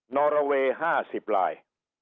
นอรเว๕๐ราย